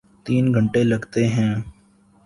تین گھنٹے لگتے ہیں۔